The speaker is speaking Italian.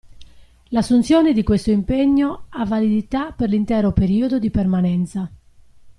L'assunzione di questo impegno ha validità per l'intero periodo di permanenza.